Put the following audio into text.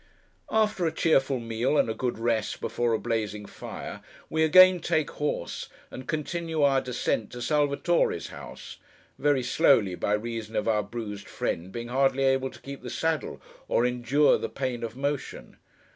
After a cheerful meal, and a good rest before a blazing fire, we again take horse, and continue our descent to Salvatore's house—very slowly, by reason of our bruised friend being hardly able to keep the saddle, or endure the pain of motion.